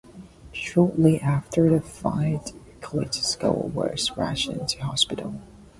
Shortly after the fight Klitschko was rushed into hospital.